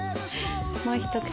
もう一口。